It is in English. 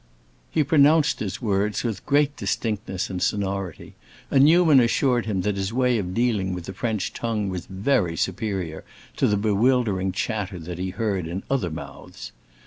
He pronounced his words with great distinctness and sonority, and Newman assured him that his way of dealing with the French tongue was very superior to the bewildering chatter that he heard in other mouths.